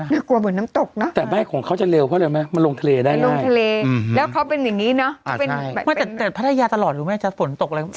น่ากลัวเหมือนน้ำตกเนอะแต่แม่ของเขาจะเร็วเพราะมันลงทะเลได้ง่ายแล้วเขาเป็นอย่างนี้เนอะแต่พัทยาตลอดหรือไม่จะฝนตกเลย